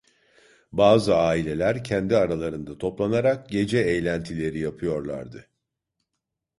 Bazı aileler kendi aralarında toplanarak gece eğlentileri yapıyorlardı.